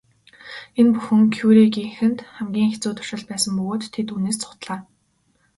Энэ бүхэн Кюрегийнхэнд хамгийн хэцүү туршилт байсан бөгөөд тэд үүнээс зугтлаа.